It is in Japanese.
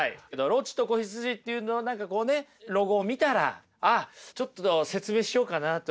「ロッチと子羊」っていう何かこうねロゴを見たらあっちょっと説明しようかなって思うとかね。